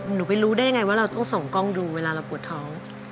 หนูไปรู้ได้ยังไงว่าเราต้องส่องกล้องดูเวลาเราปวดท้อง